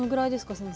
先生。